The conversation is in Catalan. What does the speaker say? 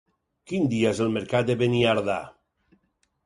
Quin dia és el mercat de Beniardà?